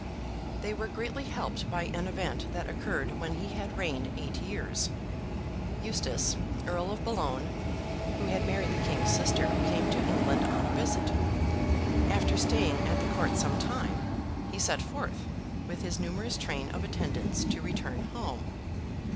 They were greatly helped by an event that occurred when he had reigned eight years. Eustace, Earl of Bologne, who had married the King's sister, came to England on a visit. After staying at the court some time, he set forth, with his numerous train of attendants, to return home.